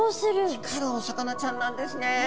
光るお魚ちゃんなんですね。